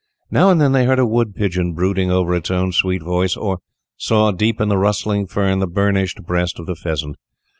Now and then they heard a wood pigeon brooding over its own sweet voice, or saw, deep in the rustling fern, the burnished breast of the pheasant.